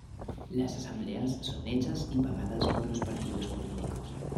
Las asambleas son hechas y pagadas por los partidos políticos.